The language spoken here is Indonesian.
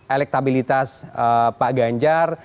elektabilitas pak ganjar